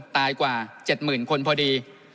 ตายกว่า๗หมื่นคนพอดี